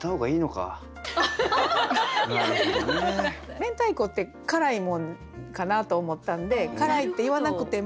明太子って辛いもんかなと思ったんで「辛い」って言わなくても。